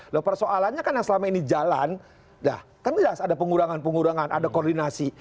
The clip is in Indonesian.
loh persoalannya kan yang selama ini jalan dah kan jelas ada pengurangan pengurangan ada koordinasi